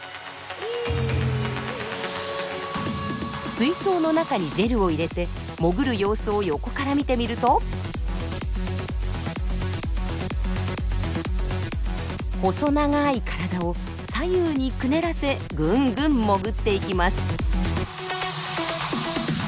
水槽の中にジェルを入れて潜る様子を横から見てみると細長い体を左右にくねらせぐんぐん潜っていきます。